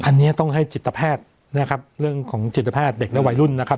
อันนี้ต้องให้จิตแพทย์นะครับเรื่องของจิตแพทย์เด็กและวัยรุ่นนะครับ